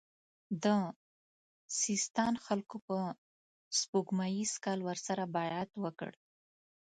د سیستان خلکو په سپوږمیز کال ورسره بیعت وکړ.